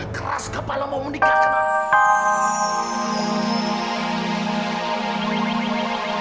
jangan lupa subscribe channel ini untuk mendapatkan video terbaru